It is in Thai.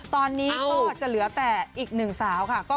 ตอนนี้ก็จะเหลือแต่อีก๑สาวนะคะ